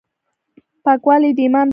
پاکوالي د ايمان برخه ده.